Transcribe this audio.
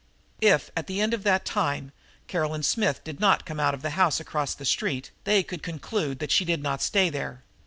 If, at the end of that time, Caroline Smith did not come out of the house across the street they could conclude that she did not stay there.